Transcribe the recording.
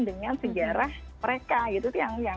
dengan sejarah mereka